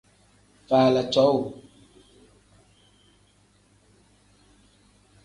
Faala cowuu.